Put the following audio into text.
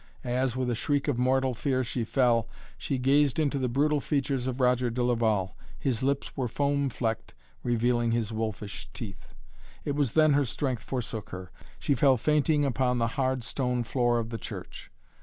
As, with a shriek of mortal fear she fell, she gazed into the brutal features of Roger de Laval. His lips were foam flecked, revealing his wolfish teeth. It was then her strength forsook her. She fell fainting upon the hard stone floor of the church.